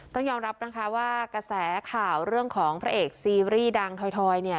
ต้องยอมรับนะคะว่ากระแสข่าวเรื่องของพระเอกซีรีส์ดังทอยเนี่ย